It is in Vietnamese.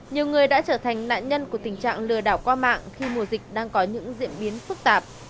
nhiều người đã trở thành nạn nhân của tình trạng lừa đảo qua mạng khi mùa dịch đang có những diễn biến phức tạp